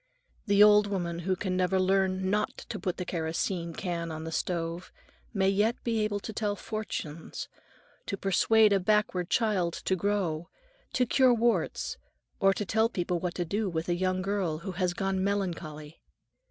The old woman who can never learn not to put the kerosene can on the stove, may yet be able to tell fortunes, to persuade a backward child to grow, to cure warts, or to tell people what to do with a young girl who has gone melancholy.